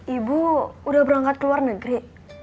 ibu udah berangkat ke luar negeri